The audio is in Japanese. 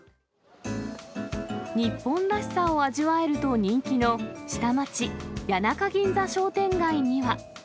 日本らしさを味わえると人気の下町、谷中銀座商店街には。